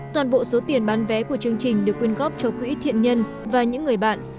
toàn bộ số tiền bán vé của chương trình được quyên góp cho quỹ thiện nhân và những người bạn